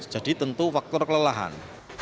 jadi tentu faktor kelelahan